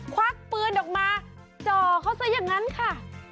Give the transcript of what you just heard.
ควักปืนออกมาจ่อเขาซะอย่างนั้นค่ะ